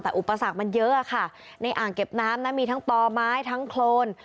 แต่อุปสรรคมันเยอะค่ะในอ่างเก็บน้ำนะมีทั้งต่อไม้ทั้งโครน